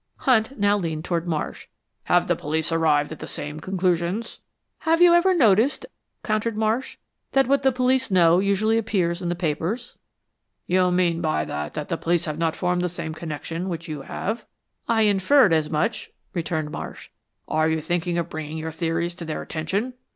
Hunt now leaned toward Marsh. "Have the police arrived at the same conclusions?" "Have you ever noticed," countered Marsh, "that what the police know usually appears in the papers?" "You mean by that that the police have not formed the same connection which you have?" "I inferred as much," returned Marsh. "Are you thinking of bringing your theories to their attention?"